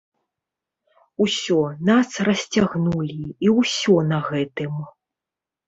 Усё, нас расцягнулі, і ўсё на гэтым.